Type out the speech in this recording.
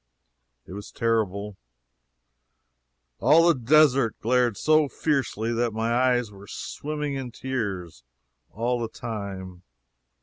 It was terrible. All the desert glared so fiercely that my eyes were swimming in tears all the time.